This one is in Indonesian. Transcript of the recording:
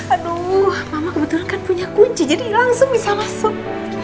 aduh mama kebetulan kan punya kunci jadi langsung bisa masuk